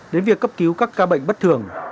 đến việc cấp cứu các ca bệnh bất thường